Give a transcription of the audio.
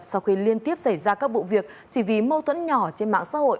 sau khi liên tiếp xảy ra các vụ việc chỉ vì mâu thuẫn nhỏ trên mạng xã hội